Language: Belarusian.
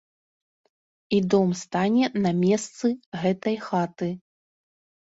І дом стане на месцы гэтай хаты.